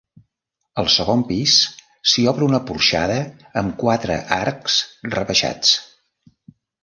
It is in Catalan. Al segon pis s'hi obre una porxada amb quatre arcs rebaixats.